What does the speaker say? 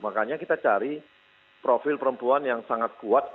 makanya kita cari profil perempuan yang sangat kuat